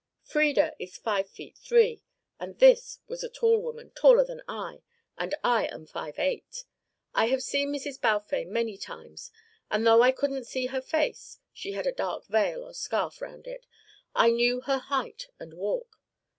"Frieda is five feet three, and this was a tall woman, taller than I, and I am five eight. I have seen Mrs. Balfame many times, and though I couldn't see her face, she had a dark veil or scarf round it, I knew her height and walk.